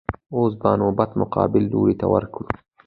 اوس به نوبت مقابل لور ته ورکړو.